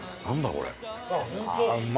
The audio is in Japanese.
これ。